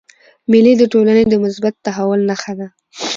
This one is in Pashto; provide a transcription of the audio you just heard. مېلې د ټولني د مثبت تحول نخښه ده.